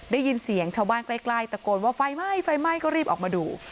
ได้ยินเสียงชาวบ้านใกล้ตะโกนว่าไฟไหม้ไฟไหม้ก็รีบออกมาดู